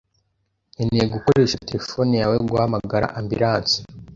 Nkeneye gukoresha terefone yawe guhamagara ambulance.